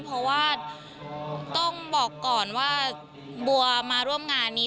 เพราะว่าต้องบอกก่อนว่าบัวมาร่วมงานนี้